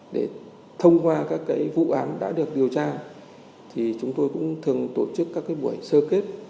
để thông qua các vụ án đã được điều tra thì chúng tôi cũng thường tổ chức các buổi sơ kết